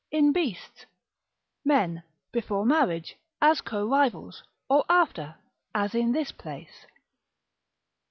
In Beasts, Men: before marriage, as Co rivals; or after, as in this place_.